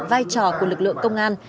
vai trò của lực lượng công an